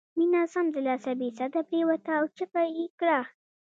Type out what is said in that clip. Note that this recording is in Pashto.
مينه سمدلاسه بې سده پرېوته او چيغه یې کړه